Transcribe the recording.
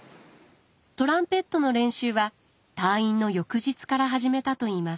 トランペットの練習は退院の翌日から始めたといいます。